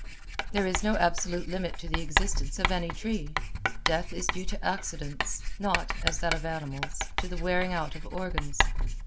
There is no absolute limit to the existence of any tree. Death is due to accidents, not, as that of animals, to the wearing out of organs.